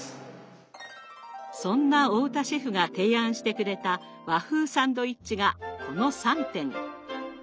そんな太田シェフが提案してくれた和風サンドイッチがこの３点。